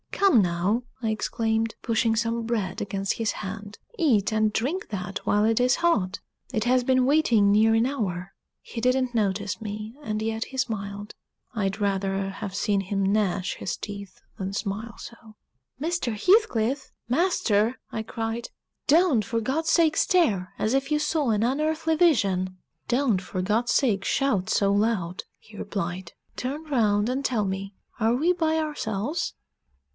"Come now," I exclaimed, pushing some bread against his hand, "eat and drink that while it is hot. It has been waiting near an hour." He didn't notice me, and yet he smiled. I'd rather have seen him gnash his teeth than smile so. "Mr. Heathcliff! master!" I cried. "Don't, for God's sake, stare as if you saw an unearthly vision." "Don't, for God's sake, shout so loud," he replied. "Turn round and tell me, are we by ourselves?"